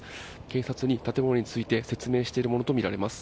警察に建物について説明しているものとみられます。